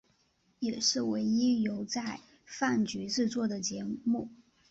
也是唯一由在阪局制作的节目。